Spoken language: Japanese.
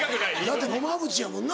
だって野間口やもんな。